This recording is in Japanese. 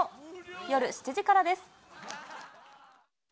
夜７時からです。